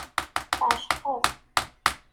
Tɛecqeḍ.